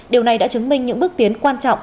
điều này đã chứng minh những bước tiến quan trọng